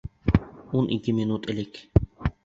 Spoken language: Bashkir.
Ун ике минут элек.